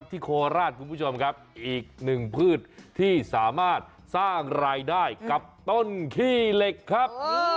โคราชคุณผู้ชมครับอีกหนึ่งพืชที่สามารถสร้างรายได้กับต้นขี้เหล็กครับ